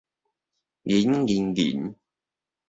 仁仁仁